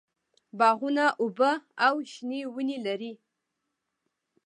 باغونه اوبه او شنه ونې لري.